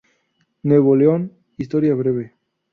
Nuevo León: historia breve.